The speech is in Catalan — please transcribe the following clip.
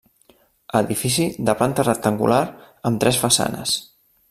Edifici de planta rectangular amb tres façanes.